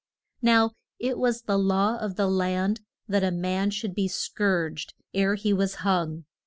Now it was the law of the land that a man should be scourged ere he was hung.